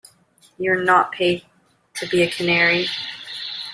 You're not paid to be a canary.